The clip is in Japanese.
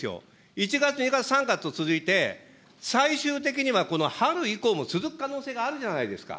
１月、２月、３月と続いて、最終的にはこの春以降も続く可能性があるじゃないですか。